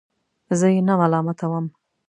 زه یې نه ملامتوم.